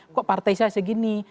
kok partai saya segini